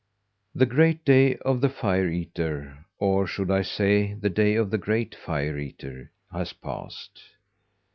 The great day of the Fire eater or, should I say, the day of the great Fire eater has passed.